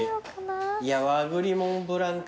いや和栗モンブラン